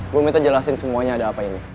gue minta jelasin semuanya ada apa ini